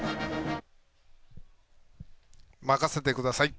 任せてください！